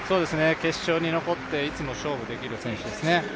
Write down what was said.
決勝に残っていつも勝負できる選手ですね。